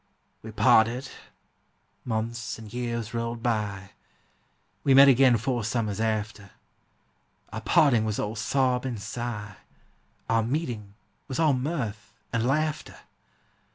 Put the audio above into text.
We parted: months and years rolled by; We met again four summers after. Our parting was all sob and sigh, Our meeting was all mirth and laughter!